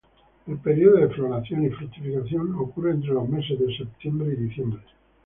El período de floración y fructificación ocurre entre los meses de Septiembre y Diciembre.